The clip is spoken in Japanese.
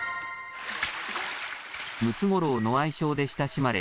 ムツゴロウの愛称で親しまれ